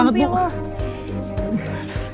sakit banget bu